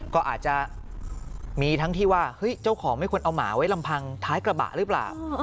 ก็อาจจะมีทั้งที่ว่าเฮ้ยเจ้าของไม่ควรเอาหมาไว้ลำพังท้ายกระบะหรือเปล่า